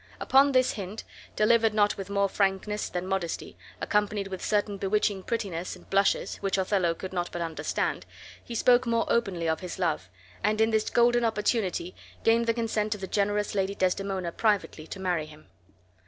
Upon this hint, delivered not with more frankness than modesty, accompanied with certain bewitching prettiness and blushes, which Othello could not but understand, he spoke more openly of his love, and in this golden opportunity gained the consent of the generous Lady Desdemona privately to marry him.